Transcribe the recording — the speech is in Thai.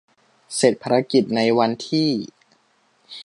เสร็จภารกิจในวันที่